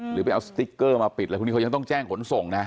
หรือไปเอาสติ๊กเกอร์มาปิดอะไรพวกนี้เขายังต้องแจ้งขนส่งนะ